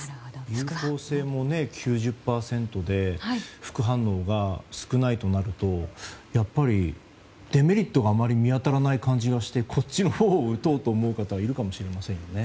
有効性も９０％で副反応が少ないとなるとやっぱり、デメリットがあまり見当たらない感じがしてこっちのほうを打とうと思う方はいるかもしれませんね。